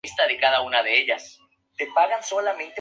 Su nombre de nacimiento es Erin Cohen.